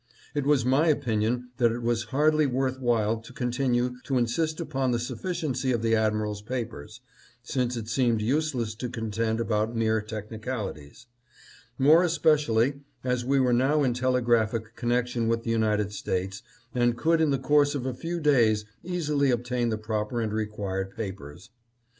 It was my opinion that it was hardly worth while to continue to insist upon the sufficiency of the admiral's papers, since it seemed useless to contend about mere technicalities ; more especially as we were now in telegraphic connection with the United States, and could in the course of a few days easily obtain the proper and required papers.